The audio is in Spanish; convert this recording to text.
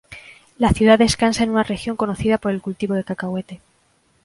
La ciudad descansa en una región conocida por el cultivo de cacahuete.